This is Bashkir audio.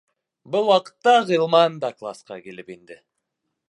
Был ваҡытта Ғилман да класҡа килеп инде.